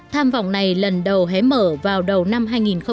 tham vọng này lần đầu hé mở vào đầu năm hai nghìn một mươi bốn